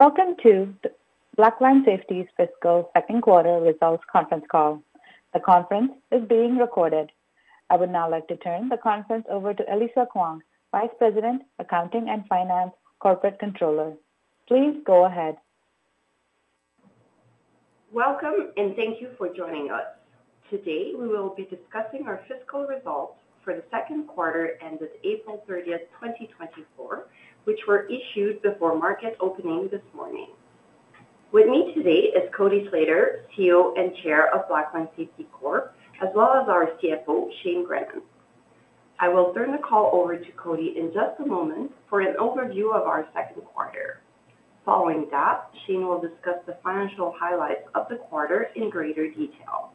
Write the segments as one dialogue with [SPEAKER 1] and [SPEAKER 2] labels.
[SPEAKER 1] Welcome to Blackline Safety's fiscal second quarter results conference call. The conference is being recorded. I would now like to turn the conference over to Elisa Khuong, Vice President, Accounting and Finance, Corporate Controller. Please go ahead.
[SPEAKER 2] Welcome, and thank you for joining us. Today we will be discussing our fiscal results for the second quarter ended April 30, 2024, which were issued before market opening this morning. With me today is Cody Slater, CEO and Chair of Blackline Safety Corp, as well as our CFO, Shane Grennan. I will turn the call over to Cody in just a moment for an overview of our second quarter. Following that, Shane will discuss the financial highlights of the quarter in greater detail.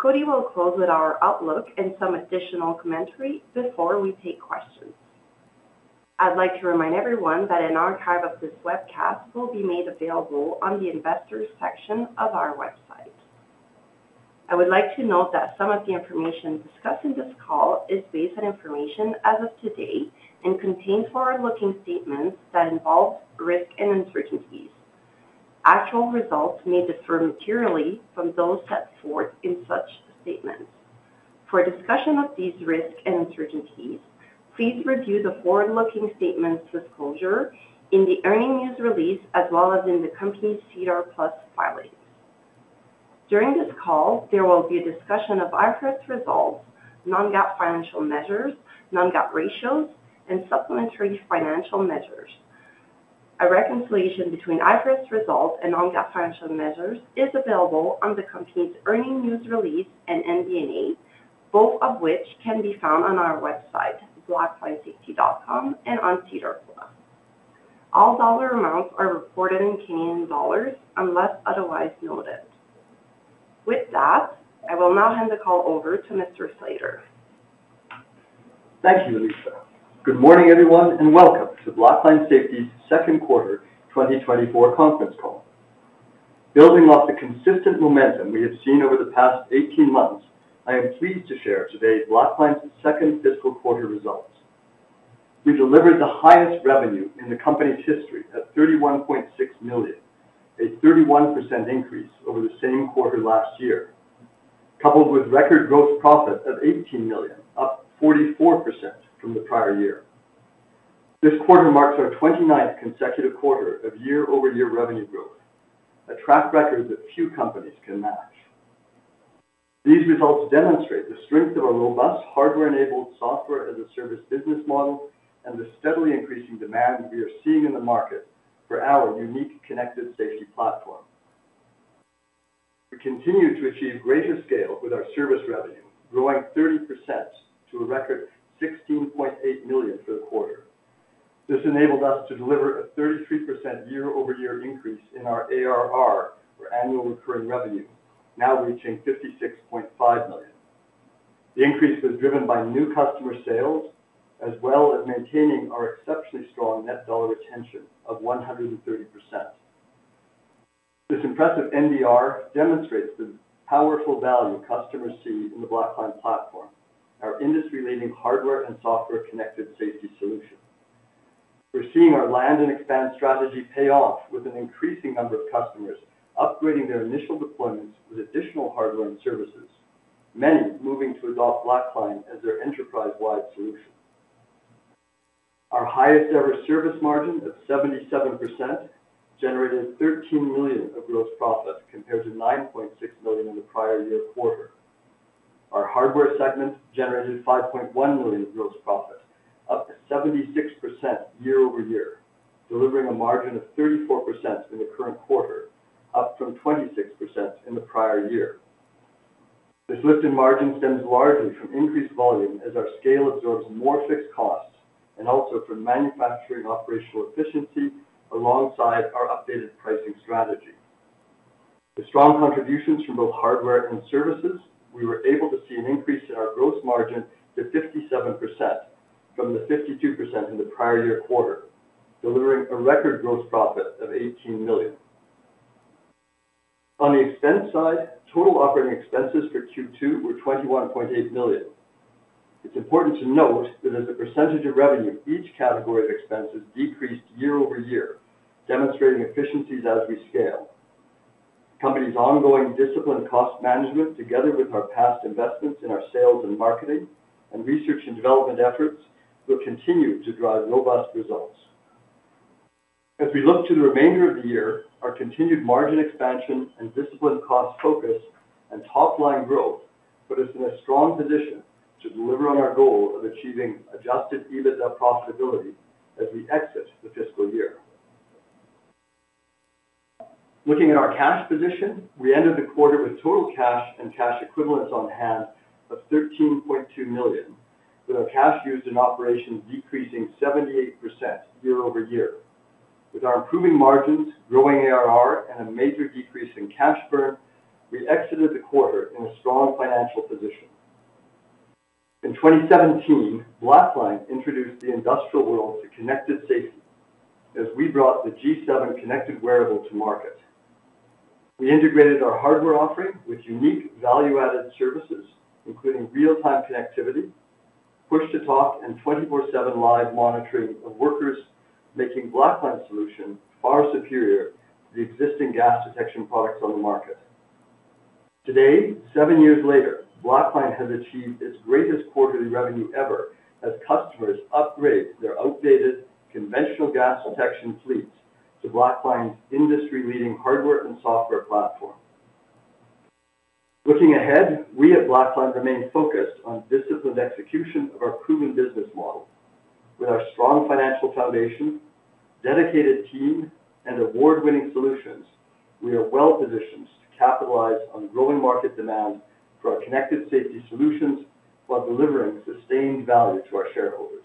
[SPEAKER 2] Cody will close with our outlook and some additional commentary before we take questions. I'd like to remind everyone that an archive of this webcast will be made available on the investors' section of our website. I would like to note that some of the information discussed in this call is based on information as of today and contains forward-looking statements that involve risk and uncertainties. Actual results may differ materially from those set forth in such statements. For discussion of these risks and uncertainties, please review the forward-looking statements disclosure in the earnings news release as well as in the company's SEDAR+ filings. During this call, there will be a discussion of IFRS results, non-GAAP financial measures, non-GAAP ratios, and supplementary financial measures. A reconciliation between IFRS results and non-GAAP financial measures is available on the company's earnings news release and MD&A, both of which can be found on our website, blacklinesafety.com, and on SEDAR+. All dollar amounts are reported in Canadian dollars unless otherwise noted. With that, I will now hand the call over to Mr. Slater.
[SPEAKER 3] Thank you, Elisa. Good morning, everyone, and welcome to Blackline Safety's second quarter 2024 conference call. Building off the consistent momentum we have seen over the past 18 months, I am pleased to share today Blackline's second fiscal quarter results. We delivered the highest revenue in the company's history at 31.6 million, a 31% increase over the same quarter last year, coupled with record gross profit of 18 million, up 44% from the prior year. This quarter marks our 29th consecutive quarter of year-over-year revenue growth, a track record that few companies can match. These results demonstrate the strength of a robust hardware-enabled software-as-a-service business model and the steadily increasing demand we are seeing in the market for our unique connected safety platform. We continue to achieve greater scale with our service revenue, growing 30% to a record 16.8 million for the quarter. This enabled us to deliver a 33% year-over-year increase in our ARR, or annual recurring revenue, now reaching 56.5 million. The increase was driven by new customer sales as well as maintaining our exceptionally strong net dollar retention of 130%. This impressive NDR demonstrates the powerful value customers see in the Blackline platform, our industry-leading hardware and software connected safety solution. We're seeing our land and expand strategy pay off with an increasing number of customers upgrading their initial deployments with additional hardware and services, many moving to adopt Blackline as their enterprise-wide solution. Our highest-ever service margin of 77% generated 13 million of gross profit compared to 9.6 million in the prior year quarter. Our hardware segment generated 5.1 million gross profit, up 76% year-over-year, delivering a margin of 34% in the current quarter, up from 26% in the prior year. This lift in margin stems largely from increased volume as our scale absorbs more fixed costs and also from manufacturing operational efficiency alongside our updated pricing strategy. With strong contributions from both hardware and services, we were able to see an increase in our gross margin to 57% from the 52% in the prior year quarter, delivering a record gross profit of 18 million. On the expense side, total operating expenses for Q2 were 21.8 million. It's important to note that as a percentage of revenue, each category of expenses decreased year-over-year, demonstrating efficiencies as we scale. The company's ongoing discipline cost management, together with our past investments in our sales and marketing and research and development efforts, will continue to drive robust results. As we look to the remainder of the year, our continued margin expansion and discipline cost focus and top-line growth put us in a strong position to deliver on our goal of achieving Adjusted EBITDA profitability as we exit the fiscal year. Looking at our cash position, we ended the quarter with total cash and cash equivalents on hand of 13.2 million, with our cash used in operations decreasing 78% year-over-year. With our improving margins, growing ARR, and a major decrease in cash burn, we exited the quarter in a strong financial position. In 2017, Blackline introduced the industrial world to connected safety as we brought the G7 connected wearable to market. We integrated our hardware offering with unique value-added services, including real-time connectivity, push-to-talk, and 24/7 live monitoring of workers, making Blackline's solution far superior to the existing gas detection products on the market. Today, seven years later, Blackline has achieved its greatest quarterly revenue ever as customers upgrade their outdated conventional gas detection fleets to Blackline's industry-leading hardware and software platform. Looking ahead, we at Blackline remain focused on disciplined execution of our proven business model. With our strong financial foundation, dedicated team, and award-winning solutions, we are well positioned to capitalize on growing market demand for our connected safety solutions while delivering sustained value to our shareholders.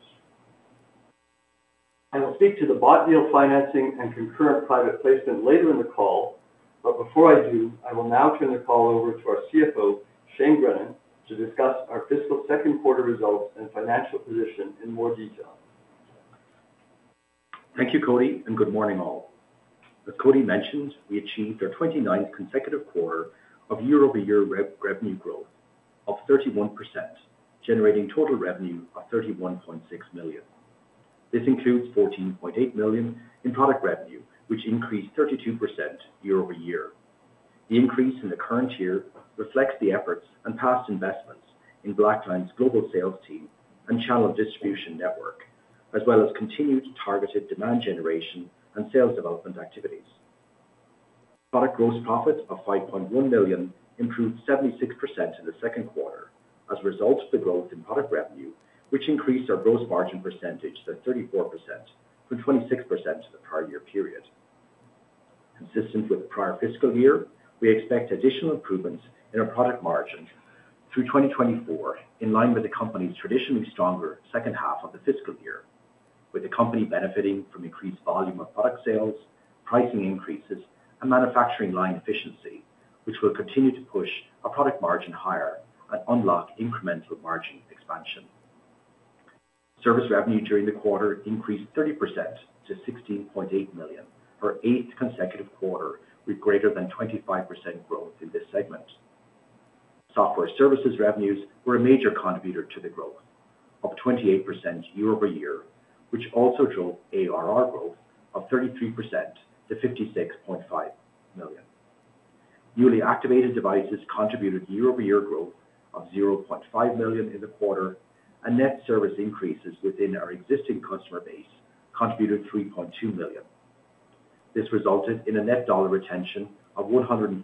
[SPEAKER 3] I will speak to the bought deal financing and concurrent private placement later in the call, but before I do, I will now turn the call over to our CFO, Shane Grennan, to discuss our fiscal second quarter results and financial position in more detail.
[SPEAKER 4] Thank you, Cody, and good morning, all. As Cody mentioned, we achieved our 29th consecutive quarter of year-over-year revenue growth of 31%, generating total revenue of 31.6 million. This includes 14.8 million in product revenue, which increased 32% year-over-year. The increase in the current year reflects the efforts and past investments in Blackline's global sales team and channel distribution network, as well as continued targeted demand generation and sales development activities. Product gross profit of 5.1 million improved 76% in the second quarter as a result of the growth in product revenue, which increased our gross margin percentage to 34% from 26% in the prior year period. Consistent with the prior fiscal year, we expect additional improvements in our product margin through 2024, in line with the company's traditionally stronger second half of the fiscal year, with the company benefiting from increased volume of product sales, pricing increases, and manufacturing line efficiency, which will continue to push our product margin higher and unlock incremental margin expansion. Service revenue during the quarter increased 30% to 16.8 million for eighth consecutive quarter, with greater than 25% growth in this segment. Software services revenues were a major contributor to the growth, up 28% year-over-year, which also drove ARR growth of 33% to 56.5 million. Newly activated devices contributed year-over-year growth of 0.5 million in the quarter, and net service increases within our existing customer base contributed 3.2 million. This resulted in a net dollar retention of 130%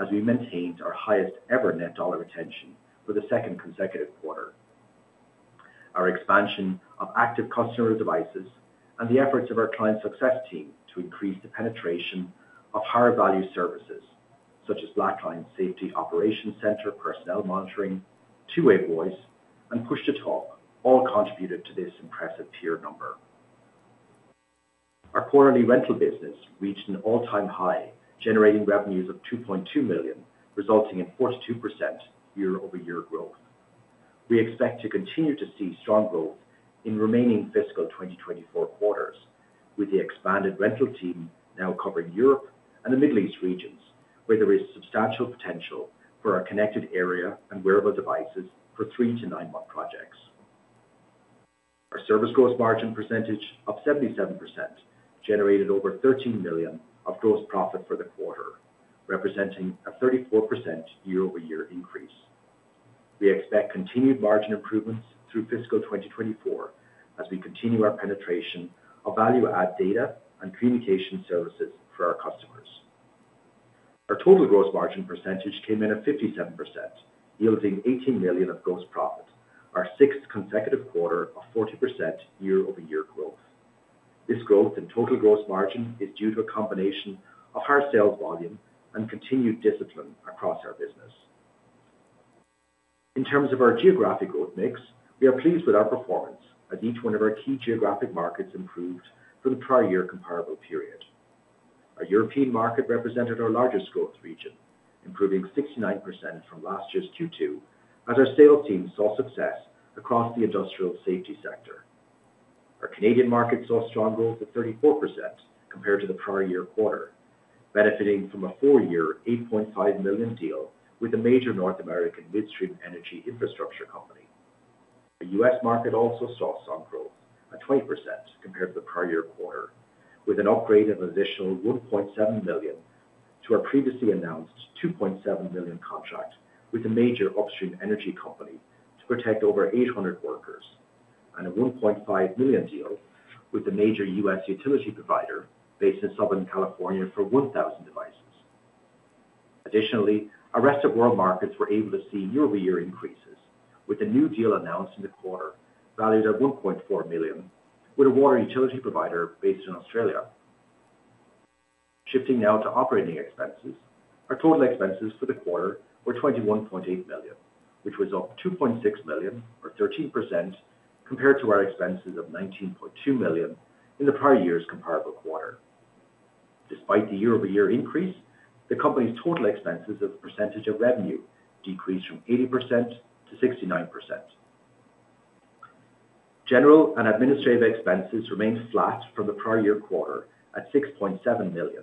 [SPEAKER 4] as we maintained our highest-ever net dollar retention for the second consecutive quarter. Our expansion of active customer devices and the efforts of our client success team to increase the penetration of higher-value services, such as Blackline Safety Operations Center personnel monitoring, two-way voice, and push-to-talk, all contributed to this impressive peer number. Our quarterly rental business reached an all-time high, generating revenues of 2.2 million, resulting in 42% year-over-year growth. We expect to continue to see strong growth in remaining fiscal 2024 quarters, with the expanded rental team now covering Europe and the Middle East regions, where there is substantial potential for our connected area and wearable devices for 3- to 9-month projects. Our service gross margin percentage of 77% generated over 13 million of gross profit for the quarter, representing a 34% year-over-year increase. We expect continued margin improvements through fiscal 2024 as we continue our penetration of value-add data and communication services for our customers. Our total gross margin percentage came in at 57%, yielding 18 million of gross profit, our sixth consecutive quarter of 40% year-over-year growth. This growth in total gross margin is due to a combination of higher sales volume and continued discipline across our business. In terms of our geographic growth mix, we are pleased with our performance as each one of our key geographic markets improved for the prior year comparable period. Our European market represented our largest growth region, improving 69% from last year's Q2, as our sales team saw success across the industrial safety sector. Our Canadian market saw strong growth of 34% compared to the prior year quarter, benefiting from a four-year 8.5 million deal with a major North American midstream energy infrastructure company. The US market also saw some growth, at 20% compared to the prior year quarter, with an upgrade of an additional 1.7 million to our previously announced 2.7 million contract with a major upstream energy company to protect over 800 workers, and a 1.5 million deal with a major US utility provider based in Southern California for 1,000 devices. Additionally, our rest of world markets were able to see year-over-year increases, with a new deal announced in the quarter valued at 1.4 million, with a water utility provider based in Australia. Shifting now to operating expenses, our total expenses for the quarter were 21.8 million, which was up 2.6 million, or 13%, compared to our expenses of 19.2 million in the prior year's comparable quarter. Despite the year-over-year increase, the company's total expenses of the percentage of revenue decreased from 80% to 69%. General and administrative expenses remained flat from the prior year quarter at 6.7 million,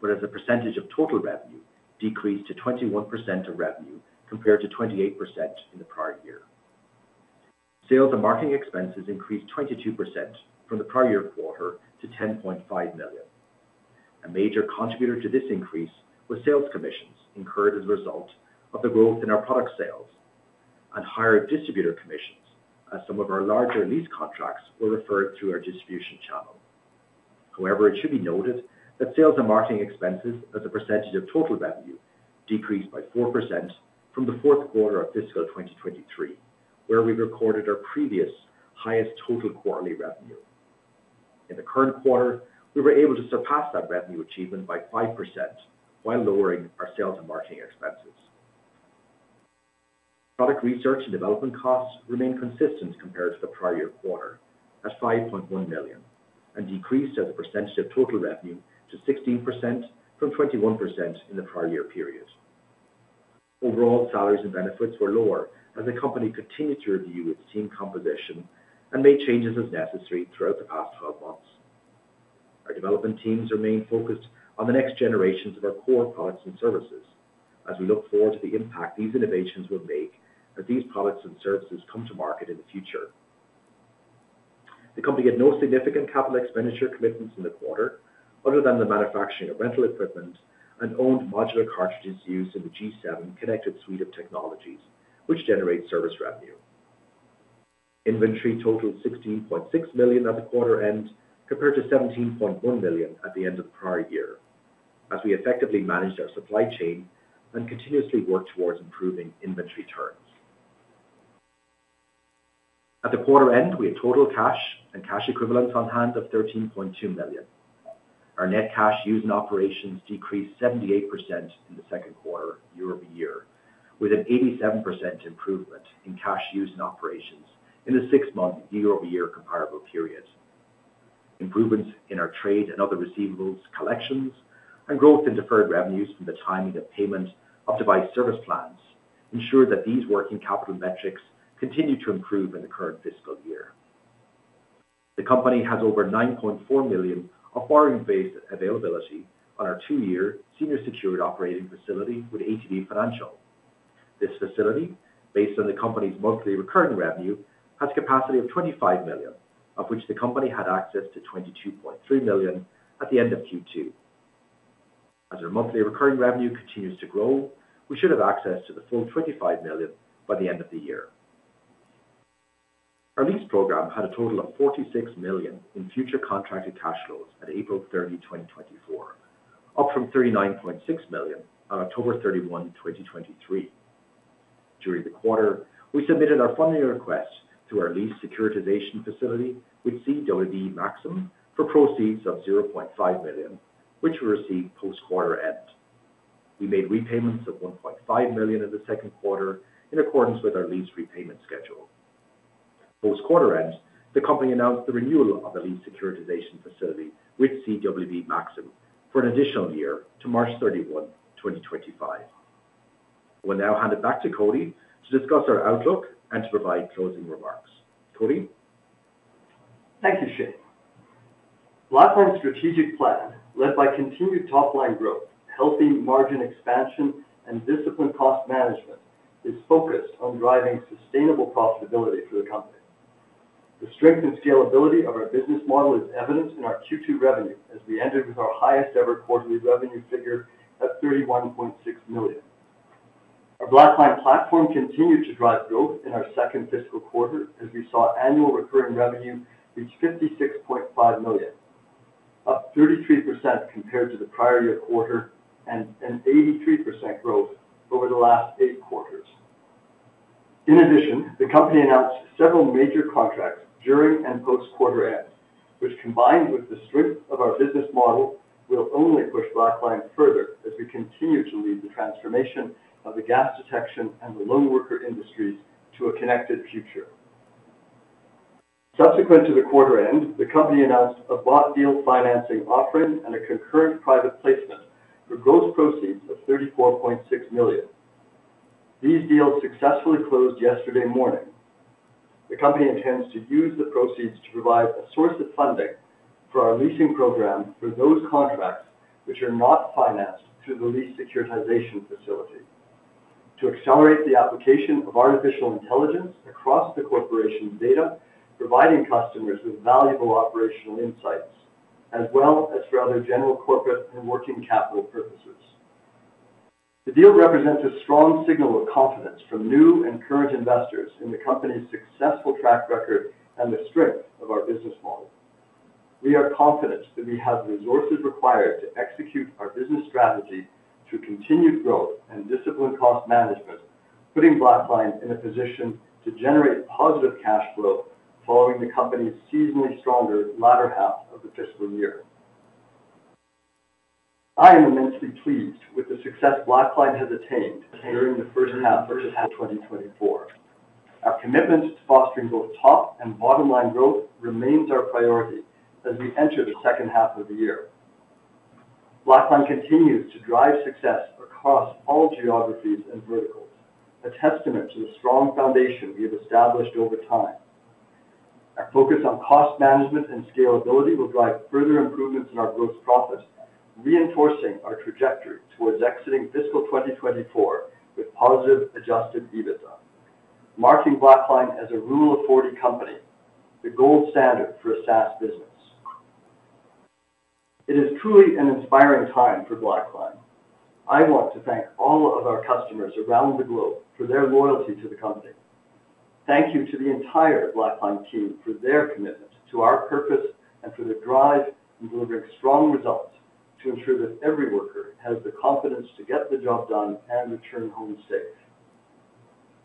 [SPEAKER 4] whereas the percentage of total revenue decreased to 21% of revenue compared to 28% in the prior year. Sales and marketing expenses increased 22% from the prior year quarter to 10.5 million. A major contributor to this increase was sales commissions incurred as a result of the growth in our product sales and higher distributor commissions, as some of our larger lease contracts were referred through our distribution channel. However, it should be noted that sales and marketing expenses as a percentage of total revenue decreased by 4% from the fourth quarter of fiscal 2023, where we recorded our previous highest total quarterly revenue. In the current quarter, we were able to surpass that revenue achievement by 5% while lowering our sales and marketing expenses. Product research and development costs remained consistent compared to the prior year quarter, at 5.1 million, and decreased as a percentage of total revenue to 16% from 21% in the prior year period. Overall, salaries and benefits were lower as the company continued to review its team composition and made changes as necessary throughout the past 12 months. Our development teams remain focused on the next generations of our core products and services as we look forward to the impact these innovations will make as these products and services come to market in the future. The company had no significant capital expenditure commitments in the quarter, other than the manufacturing of rental equipment and owned modular cartridges used in the G7 Connected Suite of technologies, which generate service revenue. Inventory totaled 16.6 million at the quarter end compared to 17.1 million at the end of the prior year, as we effectively managed our supply chain and continuously worked towards improving inventory turns. At the quarter end, we had total cash and cash equivalents on hand of 13.2 million. Our net cash used in operations decreased 78% in the second quarter year-over-year, with an 87% improvement in cash used in operations in the six-month year-over-year comparable period. Improvements in our trade and other receivables collections and growth in deferred revenues from the timing of payment of device service plans ensured that these working capital metrics continued to improve in the current fiscal year. The company has over 9.4 million of borrowing-based availability on our two-year senior secured operating facility with ATB Financial. This facility, based on the company's monthly recurring revenue, has a capacity of 25 million, of which the company had access to 22.3 million at the end of Q2. As our monthly recurring revenue continues to grow, we should have access to the full 25 million by the end of the year. Our lease program had a total of 46 million in future contracted cash flows at April 30, 2024, up from 39.6 million on October 31, 2023. During the quarter, we submitted our funding request through our lease securitization facility with CWB Maxium for proceeds of 0.5 million, which we received post-quarter end. We made repayments of 1.5 million in the second quarter in accordance with our lease repayment schedule. Post-quarter end, the company announced the renewal of the lease securitization facility with CWB Maxium for an additional year to March 31, 2025. We'll now hand it back to Cody to discuss our outlook and to provide closing remarks. Cody?
[SPEAKER 3] Thank you, Shane. Blackline's strategic plan, led by continued top-line growth, healthy margin expansion, and disciplined cost management, is focused on driving sustainable profitability for the company. The strength and scalability of our business model is evident in our Q2 revenue, as we ended with our highest-ever quarterly revenue figure at 31.6 million. Our Blackline Safety SaaS platform continued to drive growth in our second fiscal quarter, as we saw annual recurring revenue reach 56.5 million, up 33% compared to the prior year quarter, and an 83% growth over the last eight quarters. In addition, the company announced several major contracts during and post-quarter end, which, combined with the strength of our business model, will only push Blackline further as we continue to lead the transformation of the gas detection and the lone worker industries to a connected future. Subsequent to the quarter end, the company announced a bought deal financing offering and a concurrent private placement for gross proceeds of 34.6 million. These deals successfully closed yesterday morning. The company intends to use the proceeds to provide a source of funding for our leasing program for those contracts which are not financed through the lease securitization facility, to accelerate the application of artificial intelligence across the corporation's data, providing customers with valuable operational insights, as well as for other general corporate and working capital purposes. The deal represents a strong signal of confidence from new and current investors in the company's successful track record and the strength of our business model. We are confident that we have the resources required to execute our business strategy through continued growth and disciplined cost management, putting Blackline in a position to generate positive cash flow following the company's seasonally stronger latter half of the fiscal year. I am immensely pleased with the success Blackline has attained during the first half of 2024. Our commitment to fostering both top and bottom-line growth remains our priority as we enter the second half of the year. Blackline continues to drive success across all geographies and verticals, a testament to the strong foundation we have established over time. Our focus on cost management and scalability will drive further improvements in our gross profits, reinforcing our trajectory towards exiting fiscal 2024 with positive Adjusted EBITDA, marking Blackline as a Rule of 40 company, the gold standard for a SaaS business. It is truly an inspiring time for Blackline. I want to thank all of our customers around the globe for their loyalty to the company. Thank you to the entire Blackline team for their commitment to our purpose and for the drive in delivering strong results to ensure that every worker has the confidence to get the job done and return home safe.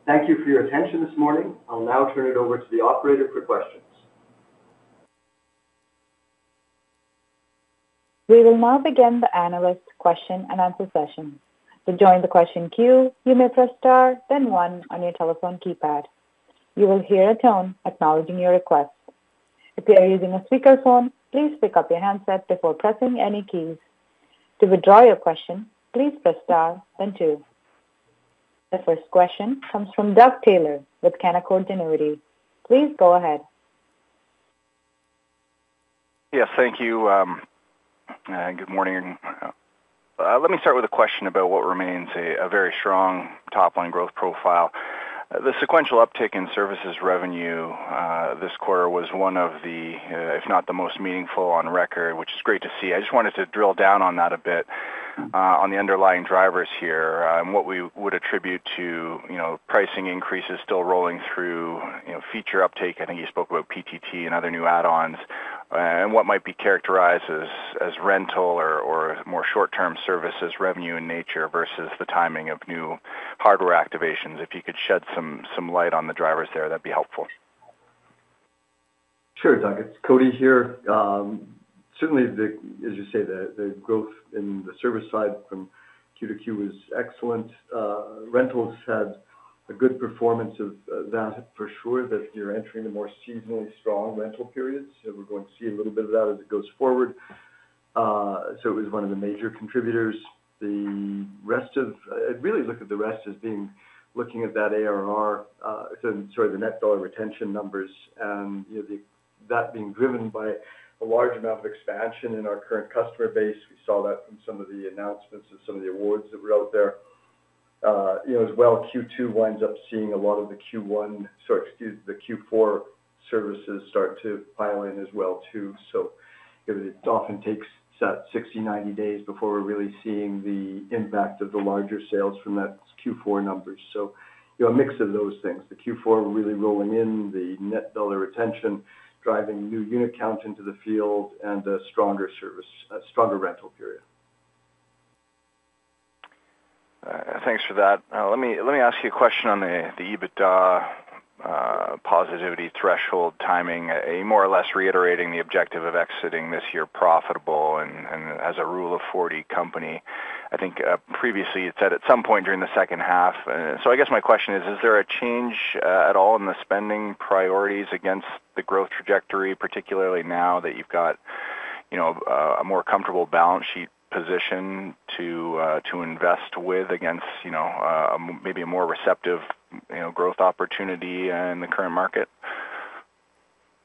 [SPEAKER 3] Thank you for your attention this morning. I'll now turn it over to the operator for questions.
[SPEAKER 1] We will now begin the analyst question and answer session. To join the question queue, you may press star, then one on your telephone keypad. You will hear a tone acknowledging your request. If you are using a speakerphone, please pick up your handset before pressing any keys. To withdraw your question, please press star, then two. The first question comes from Doug Taylor with Canaccord Genuity. Please go ahead.
[SPEAKER 5] Yes, thank you. Good morning. Let me start with a question about what remains a very strong top-line growth profile. The sequential uptick in services revenue this quarter was one of the, if not the most meaningful on record, which is great to see. I just wanted to drill down on that a bit on the underlying drivers here and what we would attribute to pricing increases still rolling through, feature uptake. I think you spoke about PTT and other new add-ons, and what might be characterized as rental or more short-term services revenue in nature versus the timing of new hardware activations. If you could shed some light on the drivers there, that'd be helpful.
[SPEAKER 3] Sure, Doug. It's Cody here. Certainly, as you say, the growth in the service side from Q to Q was excellent. Rentals had a good performance of that, for sure, that you're entering the more seasonally strong rental periods. We're going to see a little bit of that as it goes forward. So it was one of the major contributors. The rest of, I really look at the rest as being looking at that ARR, sorry, the net dollar retention numbers, and that being driven by a large amount of expansion in our current customer base. We saw that from some of the announcements of some of the awards that were out there. As well, Q2 winds up seeing a lot of the Q1, sorry, excuse, the Q4 services start to pile in as well, too. It often takes 60, 90 days before we're really seeing the impact of the larger sales from that Q4 numbers. A mix of those things. The Q4 really rolling in the Net Dollar Retention, driving new unit count into the field, and a stronger service, a stronger rental period.
[SPEAKER 5] Thanks for that. Let me ask you a question on the EBITDA positivity threshold timing, more or less reiterating the objective of exiting this year profitable and as a Rule of 40 company. I think previously you'd said at some point during the second half. So I guess my question is, is there a change at all in the spending priorities against the growth trajectory, particularly now that you've got a more comfortable balance sheet position to invest with against maybe a more receptive growth opportunity in the current market?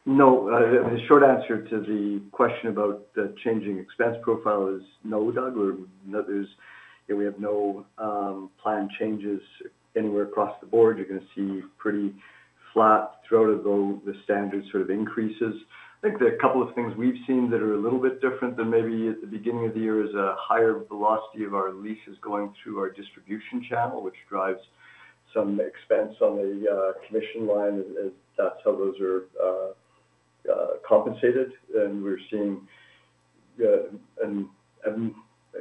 [SPEAKER 3] No. The short answer to the question about the changing expense profile is no, Doug. We have no planned changes anywhere across the board. You're going to see pretty flat throughout the standard sort of increases. I think there are a couple of things we've seen that are a little bit different than maybe at the beginning of the year, is a higher velocity of our leases going through our distribution channel, which drives some expense on the commission line. That's how those are compensated. And we're seeing—I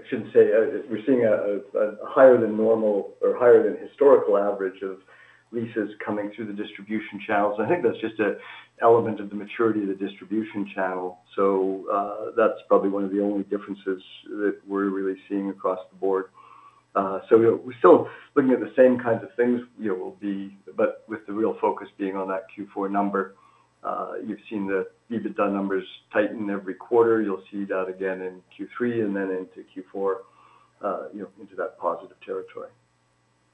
[SPEAKER 3] shouldn't say—we're seeing a higher than normal or higher than historical average of leases coming through the distribution channels. I think that's just an element of the maturity of the distribution channel. So that's probably one of the only differences that we're really seeing across the board. We're still looking at the same kinds of things, but with the real focus being on that Q4 number. You've seen the EBITDA numbers tighten every quarter. You'll see that again in Q3 and then into Q4 into that positive territory.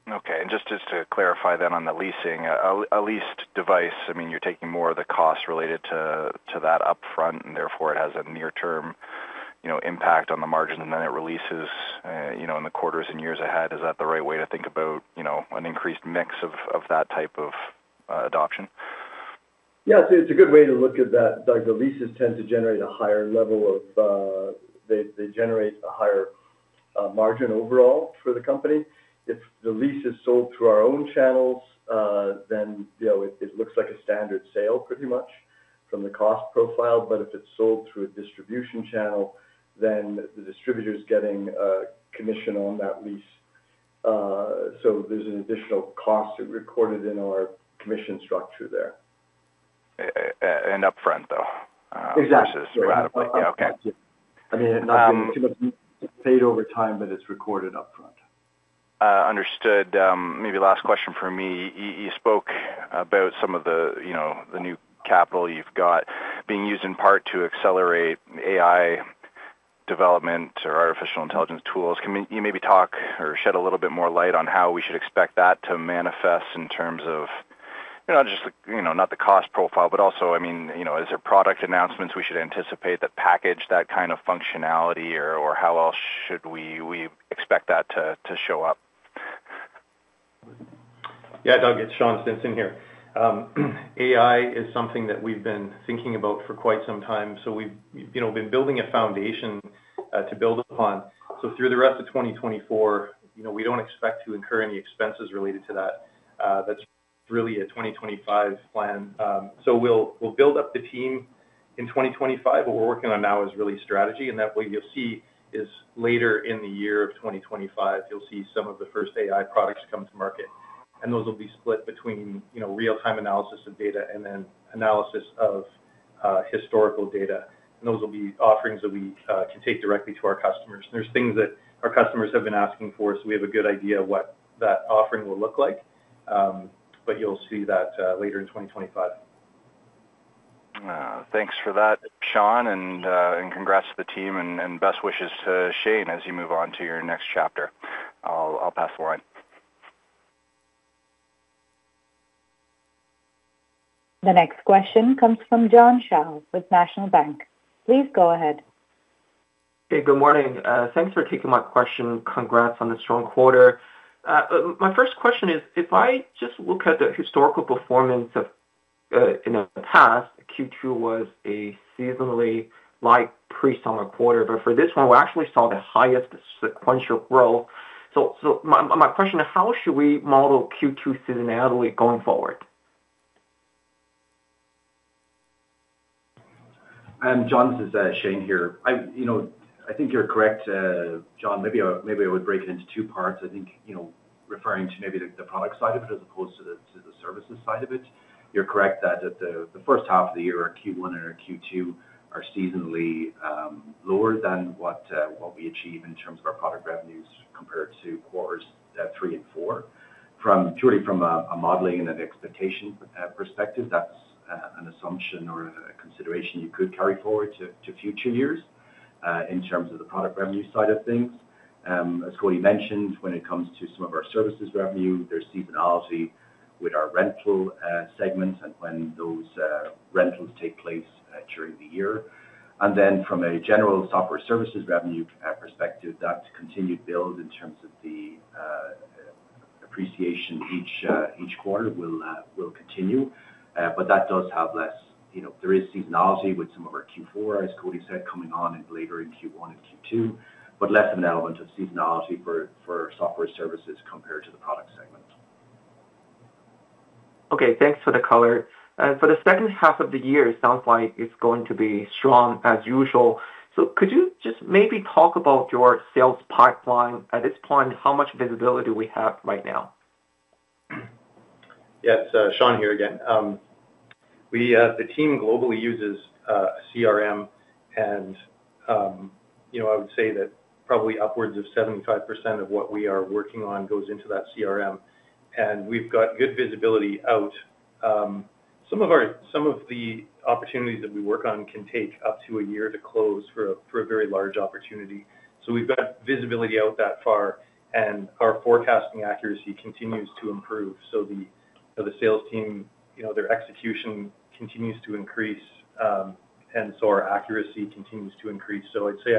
[SPEAKER 5] Okay. Just to clarify then on the leasing, a leased device, I mean, you're taking more of the cost related to that upfront, and therefore it has a near-term impact on the margin, and then it releases in the quarters and years ahead. Is that the right way to think about an increased mix of that type of adoption?
[SPEAKER 3] Yeah. It's a good way to look at that, Doug. The leases tend to generate a higher margin overall for the company. If the lease is sold through our own channels, then it looks like a standard sale pretty much from the cost profile. But if it's sold through a distribution channel, then the distributor's getting a commission on that lease. So there's an additional cost recorded in our commission structure there. Upfront, though, versus radically. Exactly. I mean, not too much paid over time, but it's recorded upfront.
[SPEAKER 5] Understood. Maybe last question for me. You spoke about some of the new capital you've got being used in part to accelerate AI development or artificial intelligence tools. Can you maybe talk or shed a little bit more light on how we should expect that to manifest in terms of not just the cost profile, but also, I mean, is there product announcements we should anticipate that package that kind of functionality, or how else should we expect that to show up?
[SPEAKER 6] Yeah, Doug. It's Sean Stinson here. AI is something that we've been thinking about for quite some time. So we've been building a foundation to build upon. So through the rest of 2024, we don't expect to incur any expenses related to that. That's really a 2025 plan. So we'll build up the team in 2025. What we're working on now is really strategy. And that way you'll see is later in the year of 2025, you'll see some of the first AI products come to market. And those will be split between real-time analysis of data and then analysis of historical data. And those will be offerings that we can take directly to our customers. There's things that our customers have been asking for, so we have a good idea of what that offering will look like. But you'll see that later in 2025.
[SPEAKER 5] Thanks for that, Sean. Congrats to the team and best wishes to Shane as you move on to your next chapter. I'll pass the line.
[SPEAKER 1] The next question comes from John Tse with National Bank Financial. Please go ahead.
[SPEAKER 7] Hey, good morning. Thanks for taking my question. Congrats on the strong quarter. My first question is, if I just look at the historical performance in the past, Q2 was a seasonally light pre-summer quarter. But for this one, we actually saw the highest sequential growth. So my question, how should we model Q2 seasonality going forward?
[SPEAKER 4] I agree, John. It's Shane here. I think you're correct, John. Maybe I would break it into two parts. I think referring to maybe the product side of it as opposed to the services side of it, you're correct that the first half of the year, Q1 and Q2 are seasonally lower than what we achieve in terms of our product revenues compared to quarters three and four. Purely from a modeling and an expectation perspective, that's an assumption or a consideration you could carry forward to future years in terms of the product revenue side of things. As Cody mentioned, when it comes to some of our services revenue, there's seasonality with our rental segments and when those rentals take place during the year. And then from a general software services revenue perspective, that continued build in terms of the appreciation each quarter will continue. But that does have less, there is seasonality with some of our Q4, as Cody said, coming on later in Q1 and Q2, but less of an element of seasonality for software services compared to the product segment.
[SPEAKER 7] Okay. Thanks for the color. For the second half of the year, it sounds like it's going to be strong as usual. So could you just maybe talk about your sales pipeline at this point? How much visibility do we have right now?
[SPEAKER 4] Yeah. It's Sean here again. The team globally uses CRM, and I would say that probably upwards of 75% of what we are working on goes into that CRM. And we've got good visibility out. Some of the opportunities that we work on can take up to a year to close for a very large opportunity. So we've got visibility out that far, and our forecasting accuracy continues to improve. So the sales team, their execution continues to increase, and so our accuracy continues to increase. So I'd say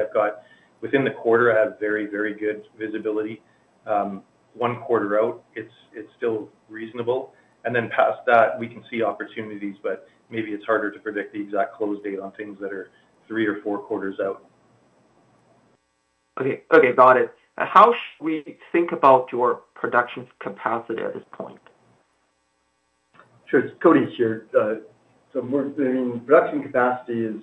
[SPEAKER 4] within the quarter, I have very, very good visibility. One quarter out, it's still reasonable. And then past that, we can see opportunities, but maybe it's harder to predict the exact close date on things that are three or four quarters out.
[SPEAKER 7] Okay. Okay. Got it. How should we think about your production capacity at this point?
[SPEAKER 3] Sure. Cody's here. So production capacity is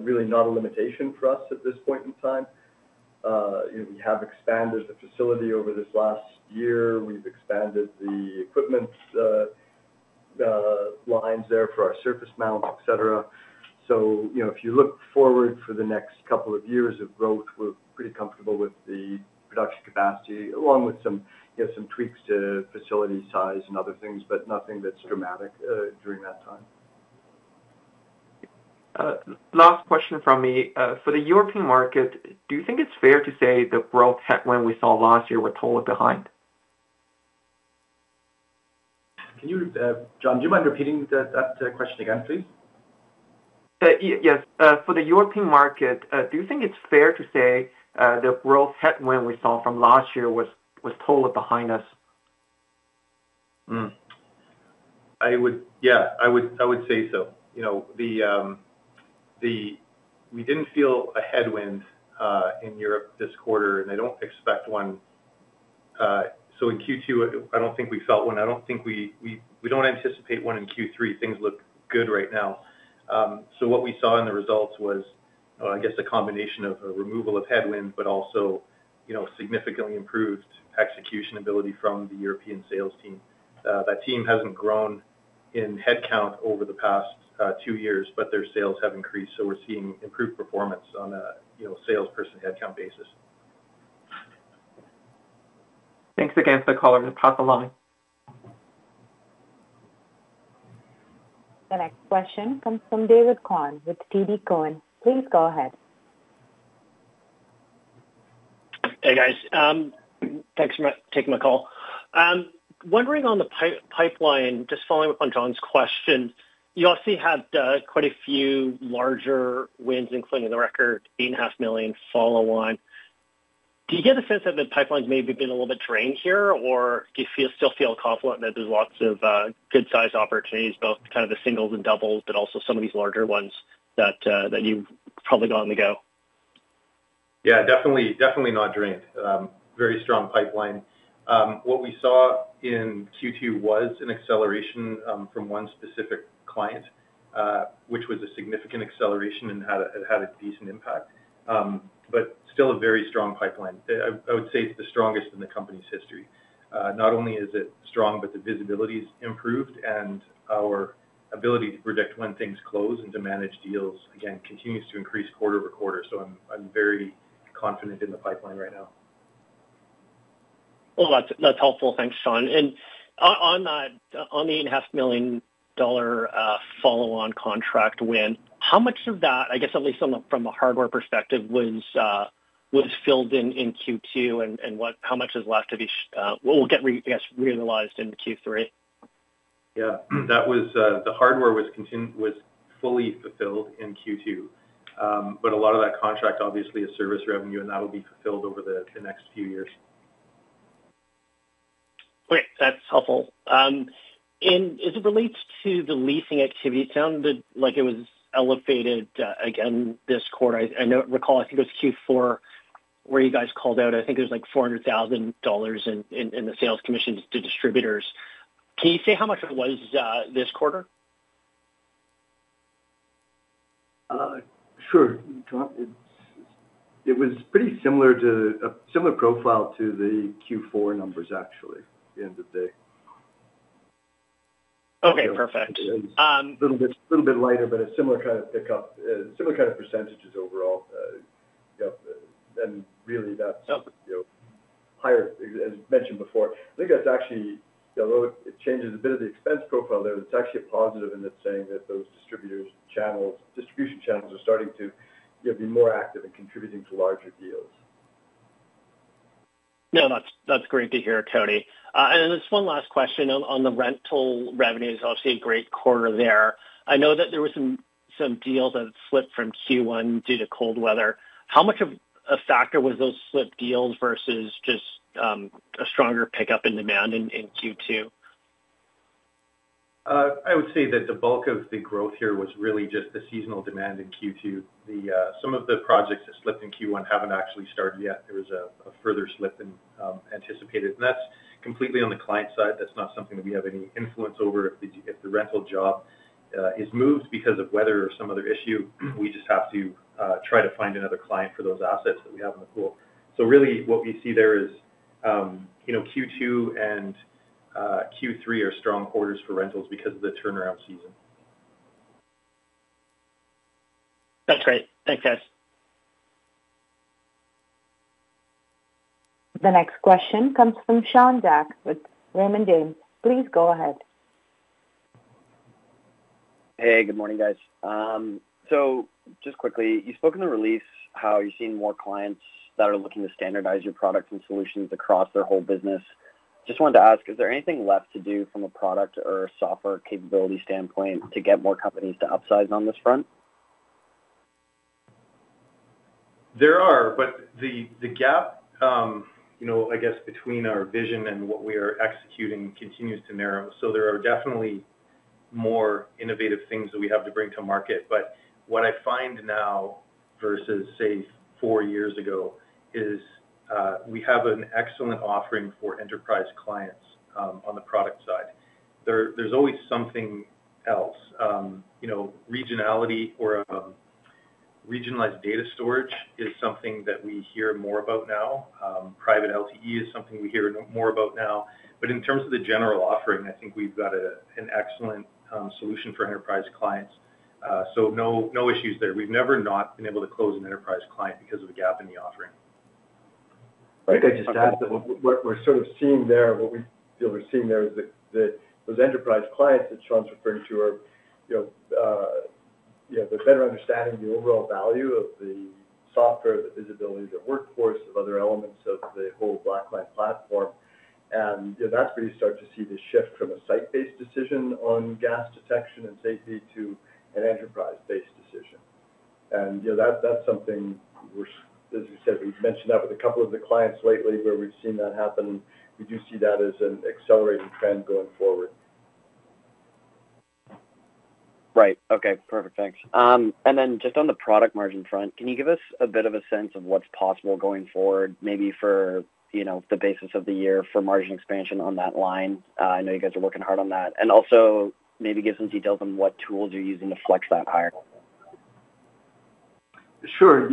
[SPEAKER 3] really not a limitation for us at this point in time. We have expanded the facility over this last year. We've expanded the equipment lines there for our surface mounts, etc. So if you look forward for the next couple of years of growth, we're pretty comfortable with the production capacity, along with some tweaks to facility size and other things, but nothing that's dramatic during that time.
[SPEAKER 7] Last question from me. For the European market, do you think it's fair to say the growth when we saw last year were totally behind?
[SPEAKER 4] John, do you mind repeating that question again, please?
[SPEAKER 7] Yes. For the European market, do you think it's fair to say the growth headwind we saw from last year was totally behind us?
[SPEAKER 4] Yeah. I would say so. We didn't feel a headwind in Europe this quarter, and I don't expect one. So in Q2, I don't think we felt one. I don't think we—we don't anticipate one in Q3. Things look good right now. So what we saw in the results was, I guess, a combination of a removal of headwind, but also significantly improved execution ability from the European sales team. That team hasn't grown in headcount over the past two years, but their sales have increased. So we're seeing improved performance on a salesperson headcount basis.
[SPEAKER 7] Thanks again for the call. I'm going to pass along.
[SPEAKER 1] The next question comes from David Kwan with TD Cowen. Please go ahead.
[SPEAKER 8] Hey, guys. Thanks for taking my call. Wondering on the pipeline, just following up on John's question, you obviously had quite a few larger wins, including the record 8.5 million follow-on. Do you get a sense that the pipeline's maybe been a little bit drained here, or do you still feel confident that there's lots of good-sized opportunities, both kind of the singles and doubles, but also some of these larger ones that you've probably gotten the go?
[SPEAKER 6] Yeah. Definitely not drained. Very strong pipeline. What we saw in Q2 was an acceleration from one specific client, which was a significant acceleration and had a decent impact, but still a very strong pipeline. I would say it's the strongest in the company's history. Not only is it strong, but the visibility's improved, and our ability to predict when things close and to manage deals, again, continues to increase quarter to quarter. So I'm very confident in the pipeline right now.
[SPEAKER 8] Well, that's helpful. Thanks, Sean. And on the 8.5 million dollar follow-on contract win, how much of that, I guess at least from a hardware perspective, was filled in Q2, and how much is left to be—what will get, I guess, realized in Q3?
[SPEAKER 4] Yeah. The hardware was fully fulfilled in Q2, but a lot of that contract, obviously, is service revenue, and that will be fulfilled over the next few years.
[SPEAKER 8] Great. That's helpful. As it relates to the leasing activity, it sounded like it was elevated again this quarter. I don't recall. I think it was Q4 where you guys called out. I think there's like 400,000 dollars in the sales commissions to distributors. Can you say how much it was this quarter?
[SPEAKER 4] Sure. It was pretty similar to a similar profile to the Q4 numbers, actually, at the end of the day.
[SPEAKER 8] Okay. Perfect.
[SPEAKER 3] A little bit lighter, but a similar kind of pickup, similar kind of percentages overall. Really, that's higher, as mentioned before. I think that's actually, it changes a bit of the expense profile there. It's actually a positive in that saying that those distributor channels, distribution channels, are starting to be more active and contributing to larger deals.
[SPEAKER 8] No, that's great to hear, Cody. Just one last question on the rental revenues. Obviously, a great quarter there. I know that there were some deals that slipped from Q1 due to cold weather. How much of a factor was those slipped deals versus just a stronger pickup in demand in Q2?
[SPEAKER 4] I would say that the bulk of the growth here was really just the seasonal demand in Q2. Some of the projects that slipped in Q1 haven't actually started yet. There was a further slip anticipated. That's completely on the client side. That's not something that we have any influence over. If the rental job is moved because of weather or some other issue, we just have to try to find another client for those assets that we have in the pool. Really, what we see there is Q2 and Q3 are strong quarters for rentals because of the turnaround season.
[SPEAKER 8] That's great. Thanks, guys.
[SPEAKER 1] The next question comes from Sean Jack with Raymond James. Please go ahead.
[SPEAKER 9] Hey, good morning, guys. So just quickly, you spoke in the release how you're seeing more clients that are looking to standardize your products and solutions across their whole business. Just wanted to ask, is there anything left to do from a product or software capability standpoint to get more companies to upsize on this front?
[SPEAKER 4] There are, but the gap, I guess, between our vision and what we are executing continues to narrow. So there are definitely more innovative things that we have to bring to market. But what I find now versus, say, four years ago is we have an excellent offering for enterprise clients on the product side. There's always something else. Regionality or regionalized data storage is something that we hear more about now. Private LTE is something we hear more about now. But in terms of the general offering, I think we've got an excellent solution for enterprise clients. So no issues there. We've never not been able to close an enterprise client because of a gap in the offering.
[SPEAKER 3] I just add that what we're sort of seeing there, what we feel we're seeing there is that those enterprise clients that Sean's referring to are, yeah, they're better understanding the overall value of the software, the visibility, the workforce, of other elements of the whole Blackline platform. And that's where you start to see the shift from a site-based decision on gas detection and safety to an enterprise-based decision. And that's something we're, as we said, we've mentioned that with a couple of the clients lately where we've seen that happen. We do see that as an accelerating trend going forward.
[SPEAKER 9] Right. Okay. Perfect. Thanks. And then just on the product margin front, can you give us a bit of a sense of what's possible going forward, maybe for the basis of the year for margin expansion on that line? I know you guys are working hard on that. And also maybe give some details on what tools you're using to flex that higher.
[SPEAKER 3] Sure.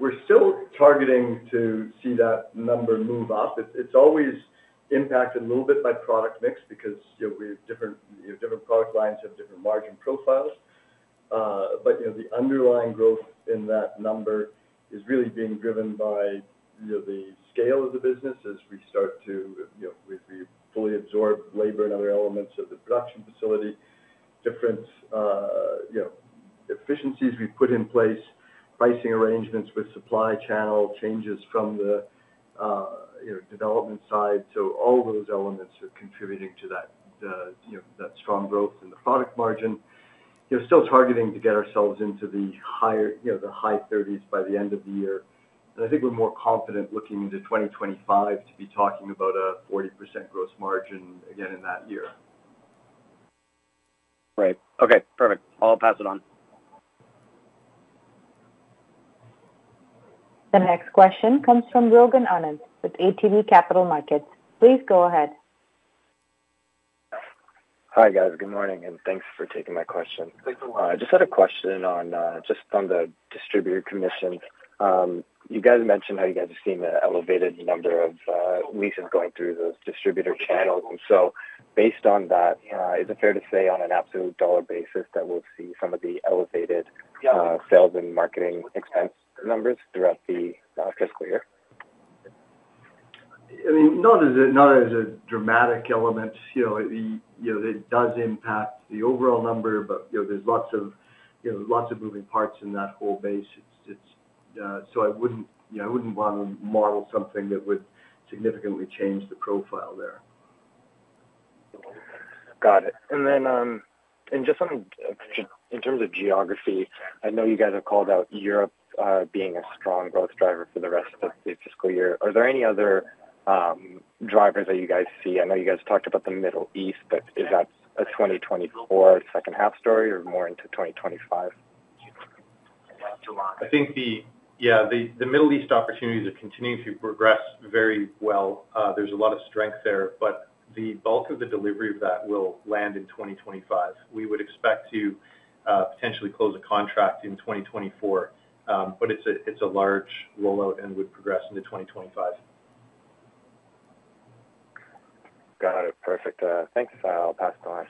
[SPEAKER 3] We're still targeting to see that number move up. It's always impacted a little bit by product mix because different product lines have different margin profiles. But the underlying growth in that number is really being driven by the scale of the business as we fully absorb labor and other elements of the production facility, different efficiencies we put in place, pricing arrangements with supply channel changes from the development side. So all those elements are contributing to that strong growth in the product margin. We're still targeting to get ourselves into the high 30s by the end of the year. And I think we're more confident looking into 2025 to be talking about a 40% gross margin again in that year.
[SPEAKER 9] Right. Okay. Perfect. I'll pass it on.
[SPEAKER 1] The next question comes from Rogan Anand with ATB Capital Markets. Please go ahead.
[SPEAKER 10] Hi, guys. Good morning, and thanks for taking my question.
[SPEAKER 3] Thanks a lot.
[SPEAKER 10] I just had a question just on the distributor commission. You guys mentioned how you guys are seeing an elevated number of leases going through those distributor channels. And so based on that, is it fair to say on an absolute dollar basis that we'll see some of the elevated sales and marketing expense numbers throughout the fiscal year?
[SPEAKER 3] I mean, not as a dramatic element. It does impact the overall number, but there's lots of moving parts in that whole base. So I wouldn't want to model something that would significantly change the profile there.
[SPEAKER 10] Got it. Just in terms of geography, I know you guys have called out Europe being a strong growth driver for the rest of the fiscal year. Are there any other drivers that you guys see? I know you guys talked about the Middle East, but is that a 2024 second-half story or more into 2025?
[SPEAKER 4] Yeah. The Middle East opportunities are continuing to progress very well. There's a lot of strength there, but the bulk of the delivery of that will land in 2025. We would expect to potentially close a contract in 2024, but it's a large rollout and would progress into 2025.
[SPEAKER 10] Got it. Perfect. Thanks. I'll pass it on.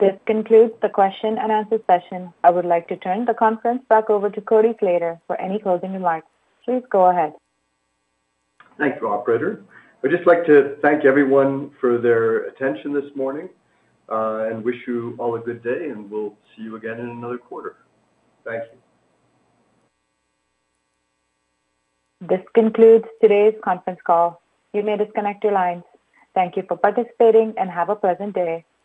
[SPEAKER 1] This concludes the question and answer session. I would like to turn the conference back over to Cody Slater for any closing remarks. Please go ahead.
[SPEAKER 3] Thank you, Operator. I'd just like to thank everyone for their attention this morning and wish you all a good day, and we'll see you again in another quarter. Thank you.
[SPEAKER 1] This concludes today's conference call. You may disconnect your lines. Thank you for participating and have a pleasant day.